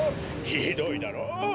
ひどいだろう！？